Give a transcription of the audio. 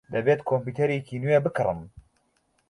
دەبێت کۆمپیوتەرێکی نوێ بکڕم.